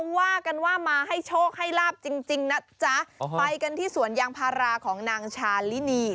ว่ากันว่ามาให้โชคให้ลาบจริงจริงนะจ๊ะไปกันที่สวนยางพาราของนางชาลินี